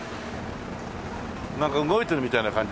なんか動いてるみたいな感じ